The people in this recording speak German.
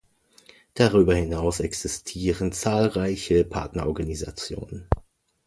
Darüber hinaus existieren zahlreiche Partnerorganisationen.